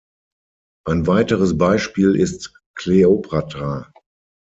Ein weiteres Beispiel ist Kleopatra.